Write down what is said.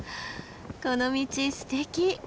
この道すてき！